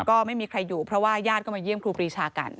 ก็ไม่มีใครอยู่เพราะว่าญาติก็มาเยี่ยมครูปรีชากัน